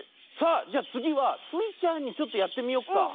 さあじゃつぎはスイちゃんちょっとやってみよっか。